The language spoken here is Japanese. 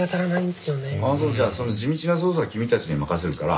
じゃあその地道な捜査は君たちに任せるから。